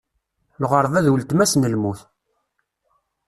Lɣerba d uletma-s n lmut.